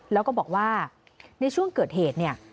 แล้วก็บอกว่าในช่วงเกิดเหตุเนี่ย